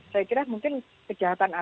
saya kira mungkin kejahatan